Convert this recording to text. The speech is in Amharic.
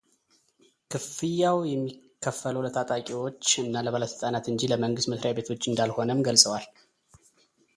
ክፍያው የሚከፈለው ለታጣቂዎች እና ለባለስልጣናት እንጂ ለመንግስት መስሪያ ቤቶች እንዳልሆነም ገልጸዋል።